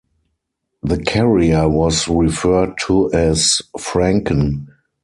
The carrier was referred to as "Franken".